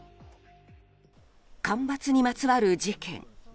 干ばつにまつわる事件